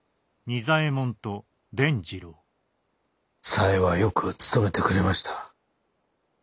紗江はよくつとめてくれました。